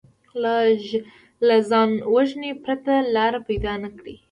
له ځانوژنې پرته لاره پیدا نه کړي